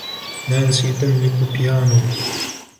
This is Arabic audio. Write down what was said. نانسي تملك بيانو.